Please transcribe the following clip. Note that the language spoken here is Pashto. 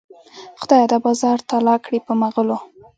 خدایه دا بازار تالا کړې په مغلو.